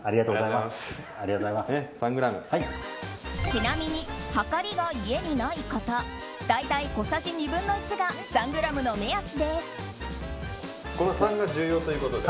ちなみに、はかりが家にない方大体、小さじ２分の１が３ｇの目安です。